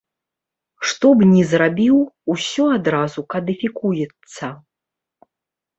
Што б ні зрабіў, усё адразу кадыфікуецца.